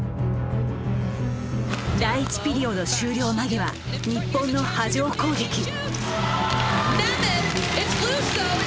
第１ピリオド終了間際日本の波状攻撃。